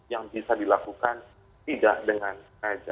yang bisa dilakukan tidak dengan sengaja